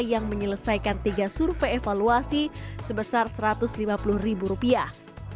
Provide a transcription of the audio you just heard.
yang menyelesaikan tiga survei evaluasi sebesar satu ratus lima puluh ribu rupiah